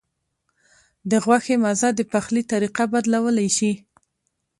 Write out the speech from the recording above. د غوښې مزه د پخلي طریقه بدلولی شي.